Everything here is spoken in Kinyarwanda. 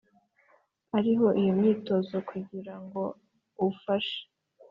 Ariho iyo myitozo kugira ngo ufashe